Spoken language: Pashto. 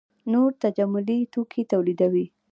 نور تجملي توکي تولیدوي.